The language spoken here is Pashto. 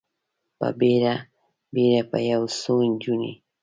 په بیړه، بیړه به یو څو نجونې،